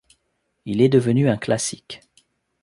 Il est devenu un classique.